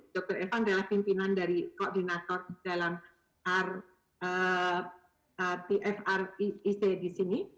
dr irfan adalah pimpinan dari koordinator dalam rfic di sini